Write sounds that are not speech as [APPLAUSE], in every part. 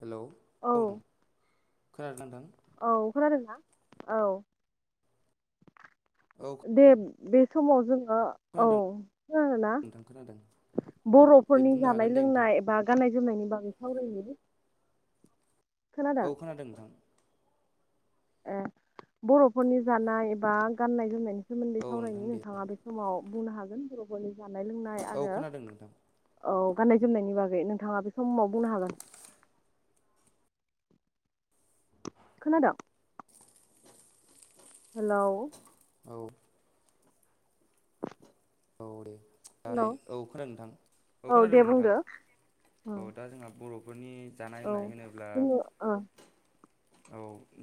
Hello, औ नों खोनादों ना नोंथां? औ खोनादोंना औ औ दे बे समाव जों खोनादों नोंथां खोनादों। दे बर'फोरनि बुंनो जानाय हागोन दे नोंथां लोंनाय बा गाननाय जोमनायनि बागै सावरायदिनि। औ खोनादों नोंथां। ए बर'फोरनि जानाय एबा गाननाय जोमनायनि सोमोन्दै औ नोंथां सावरायनो, दे नोंथाङा बे समाव बुंनो हागोन बर'फोरनि जानाय लोंनाय औ आरो खोनादों नोंथां औ गाननाय जोमनायनि बागै नोंथाङा बे समाव बुंनो हागोन। खोनादों? हेलौ औ औ दे हेलौ जानाय, औ खोनादों नोंथां, औ खोनादों दे नोंथां, बुंदो औ उम दा जोंहा बर' औ जोङो ओ औ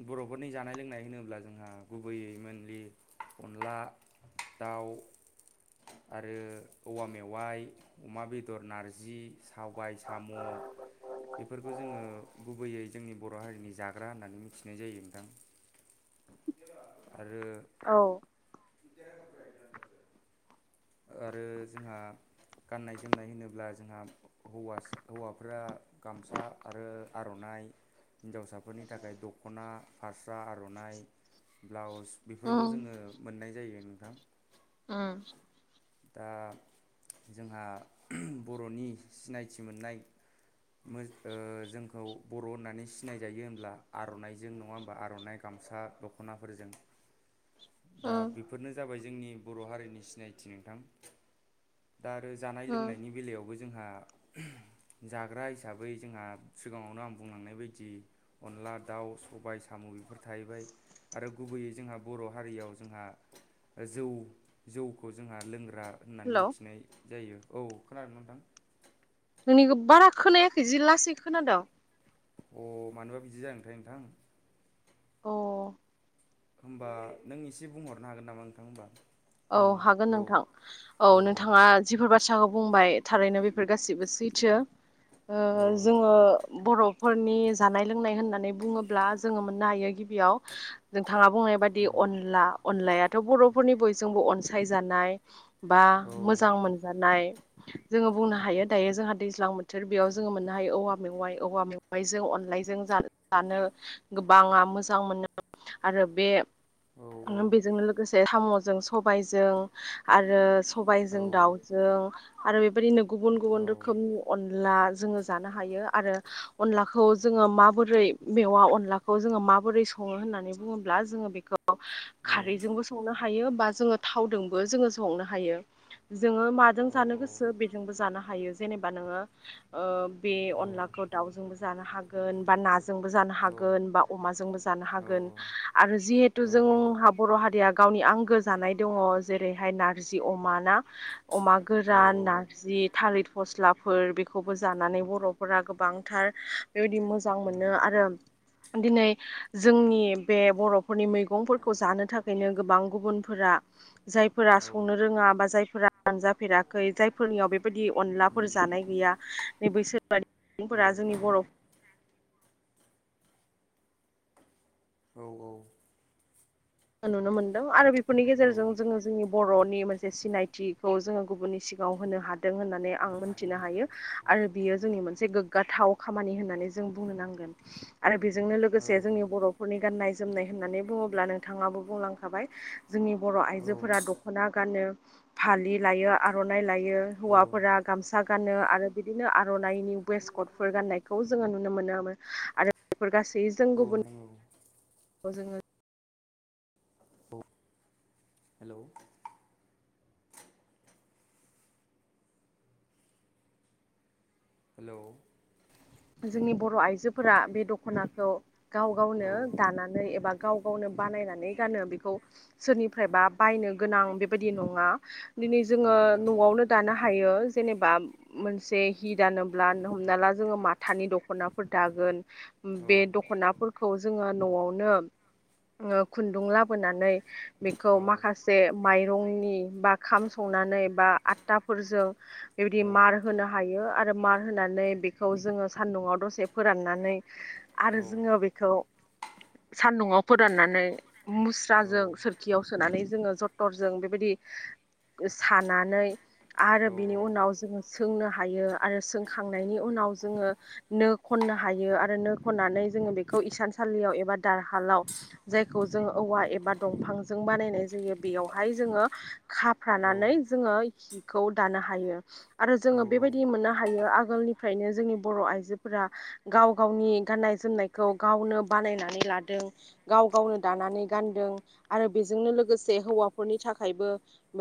बर'फोरनि जानाय लोंनाय होनोब्ला जोंहा गुबैयै मेनलि अनला दाउ आरो औवा मेवाइ, अमा बेदर नारजि, सबाय साम', बेफोरखौ जोङो गुबैयै जोंनि बर' हारिनि जा ग्रा होननानै मिथिनाय जायो नोंथां। आरो औ आरो जोंहा गाननाय जोमनाय होनोब्ला जोंहा हौवासा हौवाफ्रा गामसा आरो आर'नाइ ओमफ्राय हिनजावसाफोरनि थाखाय दख'ना फास्रा, आर'नाइ, ब्लाउस उम बेफोरखौ जोङो मोननाय जायो नोंथां। उम। दा जोंहा बर'नि सिनायथि मोननाय मो-ओ जोंखौ बर' होननानै सिनायजायो होमब्ला आर'नाइजों नङा होमबा आर'नाइ गाम- सा दख'नाफोरजों दा उम बेफोरनो जाबाय जोंनि बर' हारिनि सिनायथि नोंथां। दा आरो जानाय उम लोंनायनि बेलायावबो जोंहा जाग्रा हिसाबै जोंहा सिगाङावनो आं बुंलांनाय बायदि अनला दाउ, सबाय सामु बेफोर थाहैबाय। आरो गुबैयै जोंहा बर' हारियाव जोंहा जौ जौ खौ जोंहा लोंग्रा होननानै हेलौ मिथिनाय जायो। औ खोनादों नोंथां? नोंनिखौ बारा खोनायाखै जि लासै खोनादों। अ मानोबा बिदि जादोंथाय नोंथां। औ होमबा नों एसे बुंहरनो हागोन नामा नोंथां? औ आं हागोन नोंथां र' औ नोंथाङा जिफोर बाथ्राखौ बुंबाय थारैनो बेफोर गाैबो सैथो। औ ओ जोङो बर'फोरनि जानाय लोंनाय होननानै बुङोब्ला जोङो मोननो हायो गिबियाव नोंथाङा बुंनाय बादि उम अनला अनलायाथ' बर'फोरनि बयजोंबो अनसायजानाय बा औ मोजां मोनजानाय जोङो बुंनो हायो दायो जोंहा दैज्लां बोथोर बेयाव जोङो मोननो हायो औवा मेवाइ औवा मेवाइजों अनला लाजों जाफानो गोबाङा मोजां मोनो आरो बे औ बेजोंनो लोगोसे साम'जों सबायजों आरो औ सबायजों दावजों आरो बेबायदिनो गुबुन औ गुबुन रोखोमनि अन अनला जोङो जानो हायो आरो अनलाखौ जोङो माबोरै मेवा अनलाखौ जोङो मा माबोरै सङो होन्नानै बुङोब्ला जोङो बेखौ औ खारैजोंबो संनो हायो बा जोङो थावजोंबो जोङो संनो हायो। जोङो माजों जानो गोसो बेजोंबो जानो हायो जेनेबा नोङो ओ बे औ अनलाखौ दाउजोंबो जानो हागोन बा ना जोंबो जानो हागोन बा अमाजोंबो जानो हागोन आरो जिहेथु औ जोंहा बर' हारिया गावनि आंगो जानाय दङ जेरैहाय नारजि अमा ना अमा औ औ गोरान औ नारजि थालिर फस्ला फोर बेखौबो जानानै बर'फोरा गोबांथार बेबायदि मोजां उम मोनो आरो दिनै जोंनि बे बर'फोरनि मैगंफोरखौ जानो थाखायनो गोबां गुबुन जायफोरा औ संनो रोङा बा जायफोरा मोनजाफेराखै जायफोरनियाव बेफोर बेबायदि उम अनलाफोर जानाय गैया नै बैसोर बादि औ सुबुंफोरा जोंनि बर' औ औ नुनो मोनदों आरो बेफोरनि गेजेरजों जोङो जोंनि बर'नि मोनसे सिनायथिखौ जोङो गुबुननि सिगाङाव होनो हादों। दों होननानै आं मोनथिनो हायो आरो बियो जोंनि मोनसे गोग्गाथाव खामानि होननानै जों बुंनो नांगोन आरो बेजोंनो लोगोसे जोंनि बर'फोरनि गाननाय जोमनाय होननानै बुङोब्ला नोंथाङाबो बुंलांखाबाय। जोंनि बर' औ आइजोफोरा दख'ना गानो फालि लायो आर'नाइ लायो। यो औ हौवाफोरा गामसा गा गाननो आरो बिदिनो आर'नाइनि वेस कटफोर गाननायखौ जोङो नुनो मोनोमोन आरो बे गासै जों औ गुबुन नोंथां औ जोङो औ हेल' हेल' जोंनि बर' आइजोफोरा बे दख'नाखौ गाव औ गावनो दानानै एबा गाव गावनो बानायनानै गानो बेखौ सोरनिफ्रायबा बायनो गोनां बेबायदि नङा दिनै जोङो औ नोंथां औ न'आवनो दानो हायो। जेनेबा मोनसे हि दानोब्ला हमना ला जोङो माथानि दख'नाफोर दागोन। औ बे दखनाफोरखौ जोङो न'आवनो ओ खुन्दुं लाबोनानै बेखौ औ माखासे माइरंनि बा खाम संनानै बा आटाफोरजों बेबायदि औ मार होनो हायो आरो मार होनानै बेखौ जोङो सान्दुाव दसे फोराननानै आरो जोङो बेखौ सान्दुंआव फोराननानै औ नोंथां मुस्राजों सोरखियाव सोनानै जोङो जथरजों बेबायदि सानानै आरो बिनि उनाव जोङो सोंनो हायो आरो सोंखांनायनि उनाव जोङो नो खननो हायो आरो नो खननानै जोङो बेखौ इसानसालियाव एबा दारहालाव ज जायखौ जों औवा एबा दंफांजों बानायनाय जायो बेयावहाय जोङो खाफ्रानानै जोङो हिखौ दानो हायो। आरो जोङो बेबायदि मोननो हायो आगोलनिफ्रायनो जोंनि बर' आइजोफोरा गाव गावनि गाननाय जोमनायखौ गावनो बानायनानै लादों गाव गाव गावनो दानानै गानदों आरो बेजोंनो लोगोसे हौवाफोरनि थाखायबो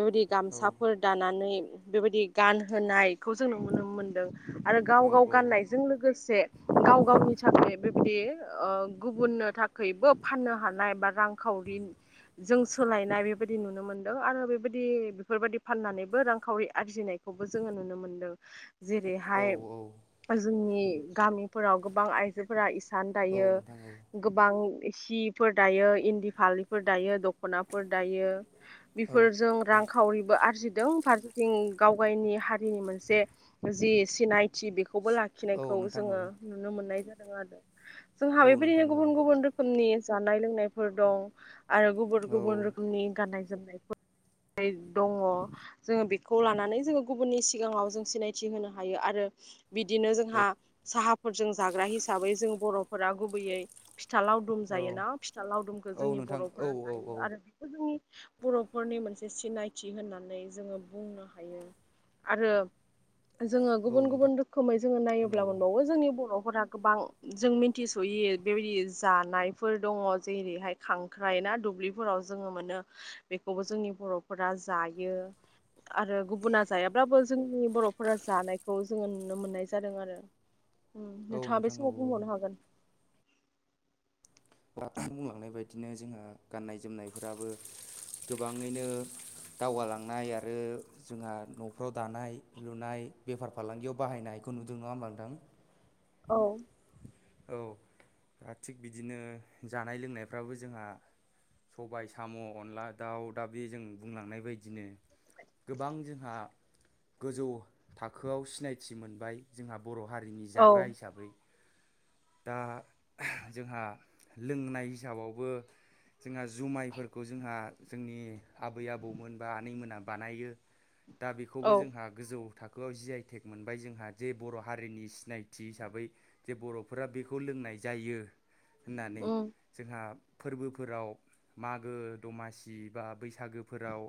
बेबायदि गामसाफोर दानानै बेबायदि गानहोनायखौ जों नुुनो मोनदों। आरो गाव गाव गाननायजों लोगोसे गाव गावनि थाखाय बेबायदि ओ गुबुननो थाखायबो फाननो हानाय बा रांखाव [UNINTELLIGIBLE] जों सोलायनाय बेबायदि नुनो मोनदों आरो बेबायदि बेफोरबायदि फाननानैबो रांखावरि आरजिनाय खौबो जोङो नुनो मोनदों। औ औ जेरैहाय ओ जोंनि गामिफोराव गोबां आइजोफोरा इ सान दायो। नोंथां औ गोबां सिफोर दायो इन्दि फालिफोर दायो दख'नाफोर दायो। बेफोरजों रांखावरिबो आरजि फारसेथिं गाव गावनि हारिनि मोनसे जि सिनायथि बे बो औ लाखिनायखौ नोंथां औ जोङो औ नुनो मोननाय जादों आरो। जोंहा बेबायदिनो गुबुन गुबुन रोखोमनि जानाय लोंनायफोर दं। आरो गुबुन गुबुन रोखोमनि गाननाय जोमनायफोर दङ जोङो बेखौ लानानै जोङो गुबुननि सिगाङाव जों सिनायथि होनो हायो आरो। बिदिनो जोंहा साहाफोरजों जाग्रा हिसाबै जों बर'फोरा गुबैयै फिथा लावदुम जायोना औ फिथा लावदुमखौ औ जोंनि नोंथां औ बर'फोरा औ जायो आरो बेखौ जोंनि बर'फोरनि मोनसे सिनायथि होननानै जोङो बुंनो हायो आरो जोङो गुबुन औ गुबुन रोखोमै जोङो नोंथां नायोब्ला औ मोनबावो जोंनि बर'फोरा गोबां जों मिथिस'यै बेबायदि जानायफोर दङ जेरैहाय खां ख्राय ना दुब्लिफोराव जोङो मोनो बेखौबो जोंनि बर'फोरा जायो। आरो गुबुना जायाब्लाबो जोंनि बर'फोरा जानायखौ जोङो नुनो मोननाय जादों आरो। औ नोंथाङा बे नोंथां औ समाव औ बुंहरनो हागोन [UNINTELLIGIBLE] बुंलांनाय बायदिनो जोंहा गाननाय जोमनायफोराबो गोबाङैनो दावगालांनाय आरो जोंहा न'फ्राव दानाय लुनाय बेफार फालांगियाव बाहायनाय खौ नुदों नङा होमबा नोंथां। औ औ दा थिग बिदिनो जानाय लोंनायफ्राबो जोंहा सबाय साम' अनला दाउ दा बे जों बुंलांनाय बायदिनो गोबां जोंहा गोजौ थाखोआव सिनायथि मोनबाय जोंहा बर' हारिनि औ जाग्रा हिसाबै दा जोंहा लोंनाय हिसाबावबो जोंहा जुमायफोरखौ जोंहा जोंनि आबै आबौमोन बा आनैमोना बानायो। दा बेखौबो औ जोंहा गोजौ थाखोआव जि आइ टेक मोनबाय जोंहा जे बर' हारिनि सिनायथि हिसाबै जे बर' फोर बेखौ लोंनाय जायो होननानै उम जोंहा फोरबोफोराव मागो दमासि बा बैसागोफोराव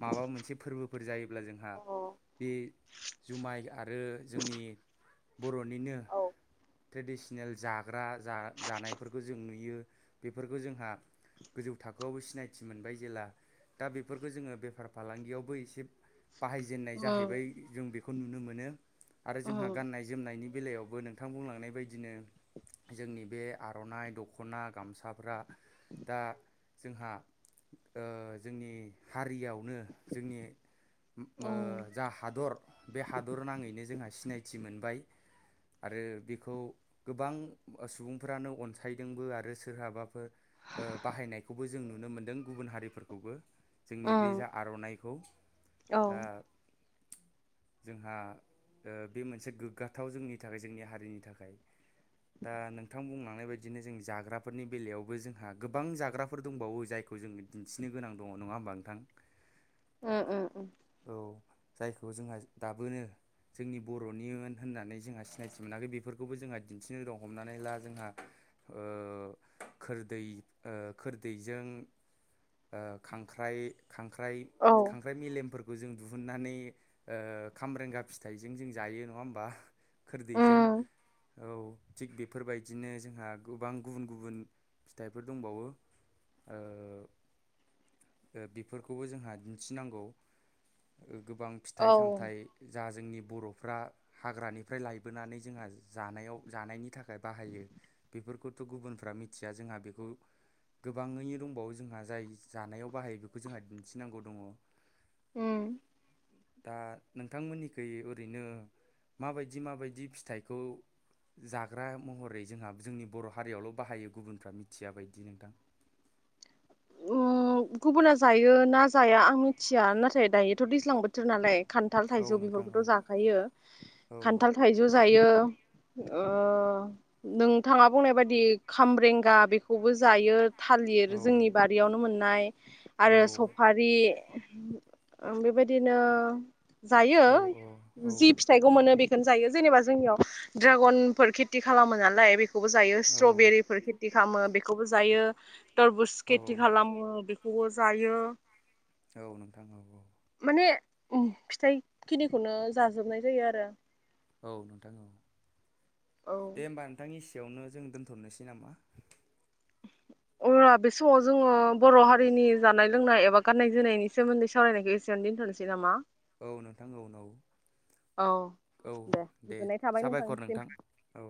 माबा मोनसे फोर फोरबोफोर जायोब्ला जोंहा औ बे जुमाय आरो जोंनि बर'निनो ट्रेडिसिनेल जाग्रा जा जानायफोरखौ जों नुयो बेफोरखौ जोंहा गोजौ थाखोआवबो सिनायथि मोनबाय जेला दा बेफोरखौ जोङो बेफार फालांगियावबो इसे बाहायजेनन्नाय उम जाहैबाय जों बेखौ नुनो मोनो। आरो जोंहा उम गाननाय जोमनायनि बेलायावबो नोंथां बुंलांनाय बायदिनो जोंनि बे आर'नाइ दख'ना गामसाफ्रा दा जोंहा ओ जोंनि हारियावनो जोंनि ओब ओ उम जा हादर बे हादर नाङैनो जोंहा सिनायथि मोनबाय आरो बि खौ गोबां सुबुंफ्रानो अनसायदोंबो आरो सोरहाबाफोर ओ बाहायनायखौबो जों नुनो मोनदों गुबुन हारिफोरखौबो जोंनि बे उम जा आर'नाइखौ। औ दा जोंहा ओ बे मोनसे गोग्गाथाव जोंनि थाखाय जोंनि हारिनि थाख खाय। दा नोंथां बुंलांनाय बायदिनो जों जाग्राफोरनि बेलायावबो जोंहा गोबां जाग्राफोर दंबावो जायखौ जोङो दिन्थिनो गोनां दङ नङा होमबा नोंथां? उम्म उम्म उम्म। औ जायखौ जोंहा दाबोनो जोंनि बर'निमोन होननानै जोंहा सिनायथि मोनाखै बे बेफोरखौबो जोंहा दिन्थिनो दं हमनानै ला जोंहा ओ खोरदै ओ खोरदैजों ओ खांख्राइ खांख्राइ औ खांख्राइ मेलेमफोरखो [UNINTELLIGIBLE] जों दिहुनन्नानै ओ खाम्रेंगा फिथाइजों जों जायो नङा होमबा? खोरदैजों उम औ थिग बेफोरबायदिनो जोंहा गोबां गुबुन गुबुन फिथाइफोर दंबावो। ओ बेफोरखौबो जोंहा दिन्थिनांगौ। गोबां फिथाइ औ सामथाइ जा जोंनि बर'फ्रा हाग्रानिफ्राय लायबोनानै जोंहा जानायाव जानायनि थाखाय बाहायो बेफोरखौथ' गुबुनफ्रा मिथिया जोंहा बेखौ गोबाङै दंबावो जोंहा जाय जानायाव बाहायो बेखौ जोंहा दिन्थिनांगौ दङ। उम्म। दा नोंथांमोननिखै ओरैनो माबायदि माबायदि फिथाइखौ जाग्रा महरै जोंहा जोंनि बर' हारियावल' बाहायो गुबुनफ्रा मिथिया बायदि नोंथां? [INAUDIBLE] औ गुबुना जायो ना जाया आं मिथिया नाथाय दायोथ' दैज्लां बोथोर नालाय खान्थाल औ थाइजौ नोंथां औ बेफोरखौथ' जाखायो औ खान्थाल थाइजौ जायो। ओ नोंथाङा बुंनाय बायदि खामरेंगा बेखौबो जायो। थालिर औ जोंनि बारियावनो मोननाय औ आरो सफारि ओं बेबायदिनो जायो औ औ जि फिथाइखौ मोनो बेखौनो जायो जेनेबा जोंनियाव द्रागन फोर खेति खालामो नालाय बेफ खुबु जायो स्त्र'बेरिफोर खेति खामो बेखौबो जायो तरबुज औ खेति खालाम बेखौबो जायो। औ नोंथां औ औ। बे ओम फिथाइ खिनिखौनो जाजोबनाय जायो आरो। औ नोंथां औ औ दे होमबा नोंथांनि सि बेयावनो जों दोनथ'नोसै नामा? अ' बे समाव जोङो बर' हारिनि जानाय लोंनाय एबा गाननाय जोमनायनि सोमोन्दै सावरायनायखौ एसेयावनो दोनथ'नोसै नामा? औ नोंथां औ औ। औ औ दे गोजोननाय थाबाय साबायखर नोंथांनिसिम नोंथां औ।